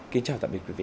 kính chào tạm biệt quý vị